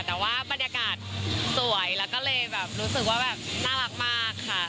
แต่ว่าบรรยากาศสวยแล้วก็เลยแบบรู้สึกว่าแบบน่ารักมากค่ะ